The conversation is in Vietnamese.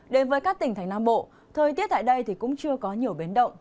đến với các tỉnh thành nam bộ thời tiết tại đây cũng chưa có nhiều biến động